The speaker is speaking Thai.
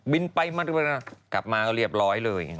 ไปมากลับมาก็เรียบร้อยเลย